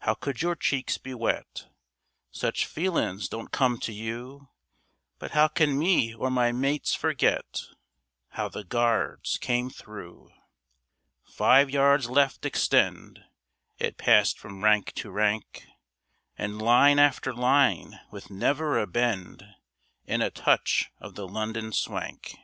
How could your cheeks be wet? Such feelin's don't come to you; But how can me or my mates forget How the Guards came through? "Five yards left extend!" It passed from rank to rank, And line after line, with never a bend, And a touch of the London swank.